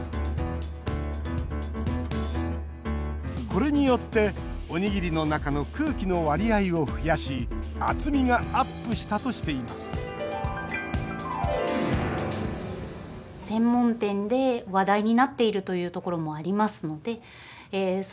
これによって、おにぎりの中の空気の割合を増やし厚みがアップしたとしています一方、こちらの大手